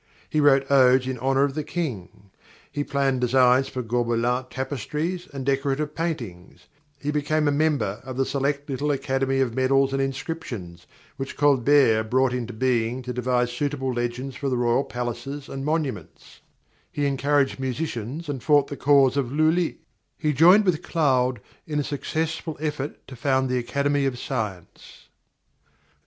He wrote odes in honour of the King; he planned designs for Gobelin tapestries and decorative paintings; he became a member of the select little Academy of Medals and Inscriptions which Colbert brought into being to devise suitable legends for the royal palaces and monuments; he encouraged musicians and fought the cause of Lulli; he joined with Claude in a successful effort to found the Academy of Science.